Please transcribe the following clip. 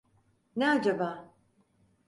Ne acaba?